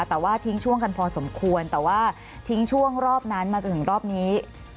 แต่ว่าทิ้งช่วงกันพอสมควรแต่ว่าทิ้งช่วงรอบนั้นมาจนถึงรอบนี้